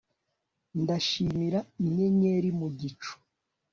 Ndashimira inyenyeri mu gicu